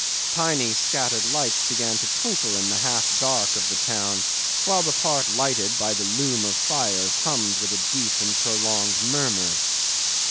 Tiny scattered lights began to twinkle in the dark half of the town, while the part lighted by the loom of fires hummed with a deep and prolonged murmur.